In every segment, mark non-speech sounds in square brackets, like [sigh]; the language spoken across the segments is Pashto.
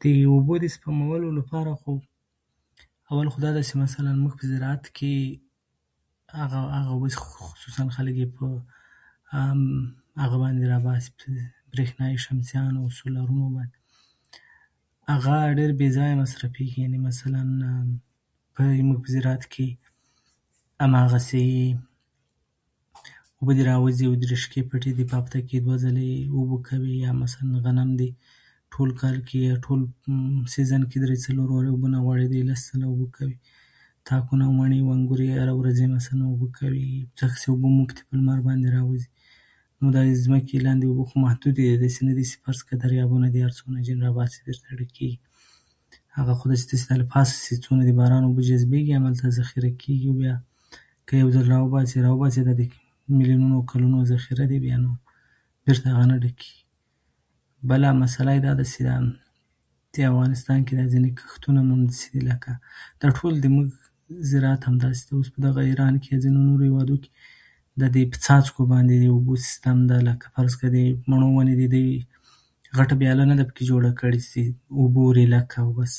د اوبو د سپمولو لپاره خو اول خو دا ده چې مثلاً موږ په زراعت کې هغه، هغه اوبه چې خلک یې خصوصاً په [hesitation] هغه باندې راباسي، برېښنايي شمسیانو او سولرونو باندې، هغه ډېر بېځایه مصرفېږي. مثلاً زموږ په زراعت کې هماغسې اوبه دې راوځي، او د رشقط پټي دي چې هفته کې یې دوه ځلې اوبه کوي. مثلاً غنم دي، ټول کال کې، ټول سیزن کې درې، څلور ځلې اوبه نه غواړي، دوی یې لس ځلې اوبه کوي. تاکونه، منې او انګور یې مثلاً هره ورځ اوبه کوي، ځکه چې اوبه موږ ته په لمر باندې راوځي. همدا د ځمکې لاندې اوبه خو محدودې دي. داسې نه دي چې فرض کړه دریابونه دي چې هر څومره عاجل یې راباسې، درته ډکېږي. هغه خو له پاسه چې څومره د باران اوبه جذبېږي، هماغلته ذخیره کېږي او بیا [unintelligible] میلیونونه کلونو ذخیره دي، نو بېرته هغه نه ډکېږي. بله مسله یې دا چې دا افغانستان کې ځینې کښتونه هم [unintelligible] چې دي، لکه دا ټول د موږ زراعت همداسې ده. دا اوس په ایران کې، ځینو نورو هېوادو کې، دا د څاڅکو باندې د اوبو سیستم، لکه فرض کړه د مڼو ونې چې دي، غټه ویاله نه پکې جوړه کړې چې اوبه ورایله کړه، بس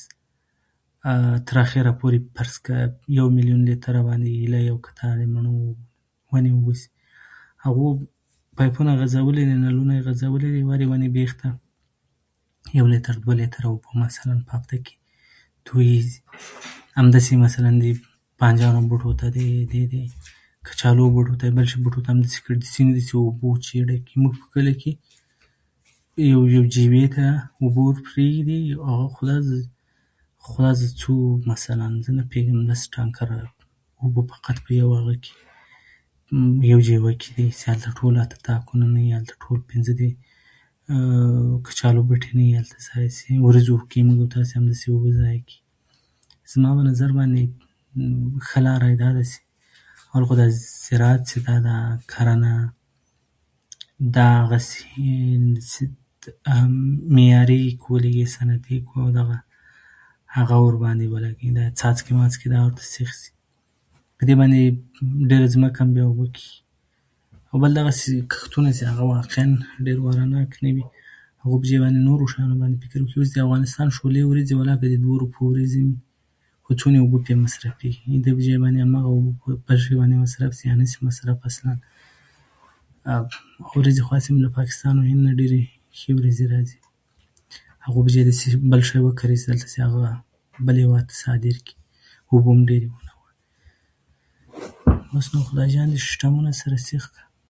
تر اخره پورې فرض کړه تر یو میلیون لیتره باندې ایله یو کتار د مڼو اوبه شي. هغوی پایپونه غځولي دي، نلونه غځولي دي، هرې ونې بېخ ته یو لېتر، دوه لېتر، مثلاً په هفته کې [noise] [unintelligible] همداسې مثلاً د بانجانو بوټو ته، د کچالو بوټو ته همداسې کړي دي. داسې نه کړي چې د اوبو جویچې ډکې کړي دي. زموږ په کلي کې یو یو جویچې ته اوبه ورپرېږدي، هغه خدای زده، خدایده، څومره اوبه مثلاً نه پوهېږم، یو ټانکر کې یو [unintelligible] هلته تاکونه نه وي، هلته پنځه کچالو بوټي نه وي، هلته [unintelligible] وریجو کې هم زموږ ستاسې همداسې اوبه ضایع کېږي. زما په نظر باندې ښه لاره یې دا ده چې اول دا زراعت چې ده، دا کرنه دغسې چې [hesitation] معیاري یې کړو، لږه صنعتي یې کړو، سره هغه ورباندې څاڅکي ماڅکي ورته سیخ شي. په دې باندې ډېره ځمکه هم بیا اوبه کېږي، او بل دغسې کښتونه چې هغه واقعاً ډېر اواره ناک نه وي، او [unintelligible] نورو شیانو باندې باید فکر وشي. د افغانستان شولې وریجې ولاکه د دوو روپو وریجې وي، خو څومره اوبه پرې مصرفېږي. د دې پر ځای هماغه اوبه په بل څه مصرف شي، یا مصرف نه شي. اصلاً وریجې خو هسې هم له پاکستان او هند نه ډېرې ښې وریجې راځي. هغوی وریجې پر ځای بل شی وکري چې بل هېواد ته یې صادر کړي، اوبه هم ډېرې ونه غواړي. او نو خدای جان دا سیستمونه دي، سره سیخ کا.